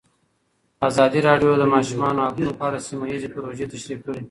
ازادي راډیو د د ماشومانو حقونه په اړه سیمه ییزې پروژې تشریح کړې.